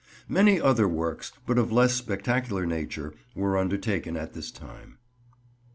Many other works, but of less spectacular nature, were undertaken at this time.